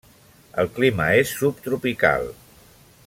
El clima és subtropical.